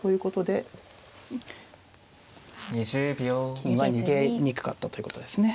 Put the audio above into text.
金は逃げにくかったということですね。